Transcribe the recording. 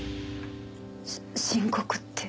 深刻って？